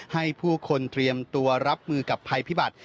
ให้ผู้คนเตรียมตัวรับมือกับภัยพิบัติ